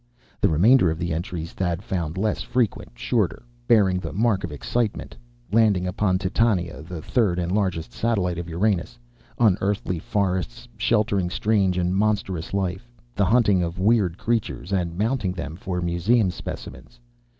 The remainder of the entries Thad found less frequent, shorter, bearing the mark of excitement: landing upon Titania, the third and largest satellite of Uranus; unearthly forests, sheltering strange and monstrous life; the hunting of weird creatures, and mounting them for museum specimens.